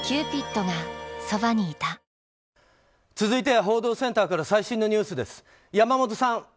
続いては報道センターから最新のニュースです、山本さん。